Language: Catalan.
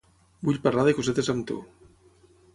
Vull parlar de cosetes amb tu.